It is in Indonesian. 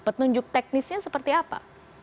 petunjuk teknisnya seperti apa